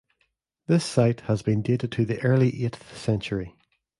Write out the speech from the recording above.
This site has been dated to the early eighth century.